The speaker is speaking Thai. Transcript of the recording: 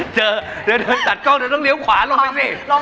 เดินตัดกล้องเดี๋ยวต้องเลี้ยวขวาลงไปสิ